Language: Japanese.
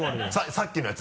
さっきのやつ？